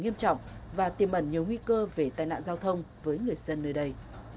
nghiêm trọng và tiềm ẩn nhiều nguy cơ về tai nạn giao thông với người dân nơi đây